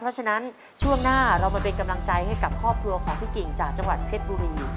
เพราะฉะนั้นช่วงหน้าเรามาเป็นกำลังใจให้กับครอบครัวของพี่กิ่งจากจังหวัดเพชรบุรี